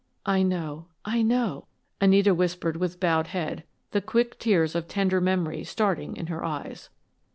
"I know. I know!" Anita whispered with bowed head, the quick tears of tender memory starting in her eyes.